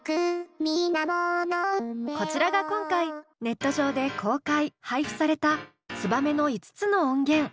こちらが今回ネット上で公開・配布された「ツバメ」の５つの音源。